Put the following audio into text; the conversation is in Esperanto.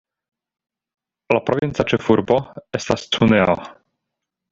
La provinca ĉefurbo estas Cuneo.